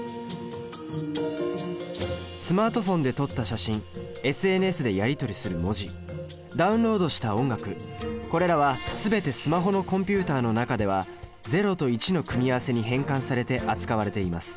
スマートフォンで撮った写真ＳＮＳでやり取りする文字ダウンロードした音楽これらは全てスマホのコンピュータの中では０と１の組み合わせに変換されて扱われています。